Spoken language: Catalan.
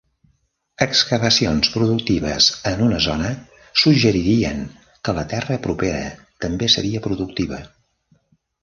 Excavacions productives en una zona suggeririen que la terra propera també seria productiva.